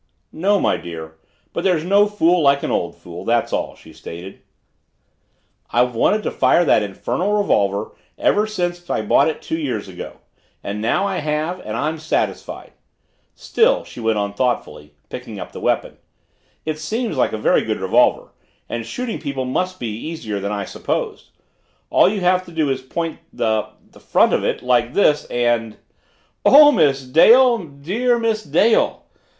"No, my dear but there's no fool like an old fool that's all," she stated. "I've wanted to fire that infernal revolver off ever since I bought it two years ago, and now I have and I'm satisfied. Still," she went on thoughtfully, picking up the weapon, "it seems a very good revolver and shooting people must be much easier than I supposed. All you have to do is to point the the front of it like this and " "Oh, Miss Dale, dear Miss Dale!"